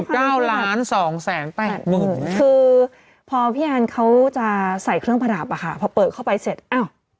คือพอพี่อันเขาจะใส่เครื่องพระดาบอะค่ะพอเปิดเข้าไปเสร็จเอ้า